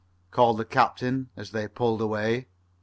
called the captain, as they pulled away.